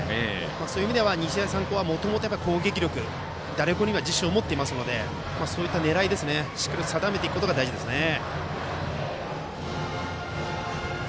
そういう意味では、日大三高はもともと攻撃力打力には自信を持っていますのでそういった狙いをしっかり、定めていくことが大事ですね。